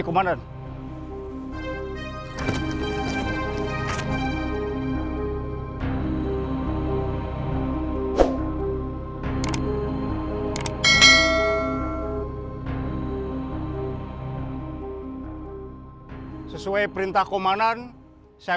komanan sesuai perintah komanan saya